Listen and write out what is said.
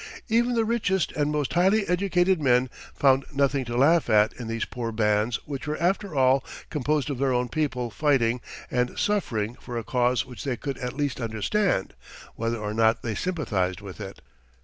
Even the richest and most highly educated men found nothing to laugh at in these poor bands which were after all composed of their own people fighting and suffering for a cause which they could at least understand, whether or not they sympathized with it.